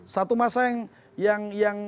satu masa yang